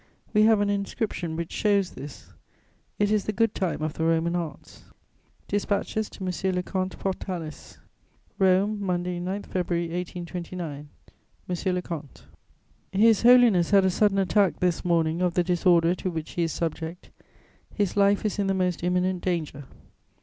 We have an inscription which shows this: it is the good time of the Roman arts." DISPATCHES TO M. LE COMTE PORTALIS "ROME, Monday, 9 February 1829. "MONSIEUR LE COMTE, "His Holiness had a sudden attack this morning of the disorder to which he is subject; his life is in the most imminent danger.